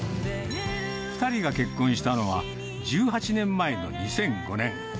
２人が結婚したのは、１８年前の２００５年。